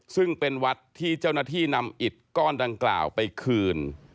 ซึ่งเป็นวัดที่เจ้าหน้าที่นำอิตก้อนดังกล่าวไปคืน